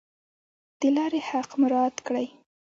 د لارې حق مراعات کړئ